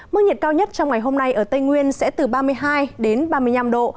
mức nhiệt cao nhất trong ngày hôm nay ở tây nguyên sẽ từ ba mươi hai ba mươi năm độ